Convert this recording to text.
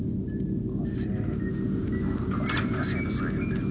火星には生物がいるんだよ。